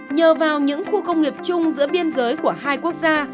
nhờ vào những khu công nghiệp chung giữa biên giới của hai quốc gia